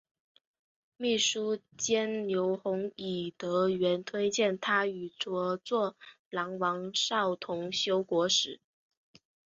秘书监牛弘以德源推荐他与着作郎王邵同修国史。